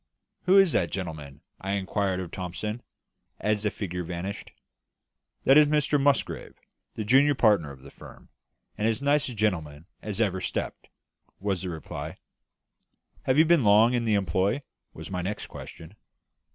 "Who is that gentleman?" I inquired of Thomson, as the figure vanished. "That is Mr Musgrave, the junior partner of the firm, and as nice a gentleman as ever stepped," was the reply. "Have you been long in the employ?" was my next question.